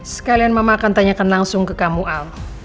sekalian mama akan tanyakan langsung ke kamu al